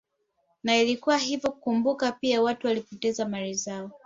Na ilikuwa hivyo kumbuka pia watu walipoteza mali zao